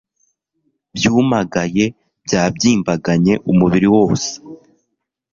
byumagaye byabyimbaganye umubiri wose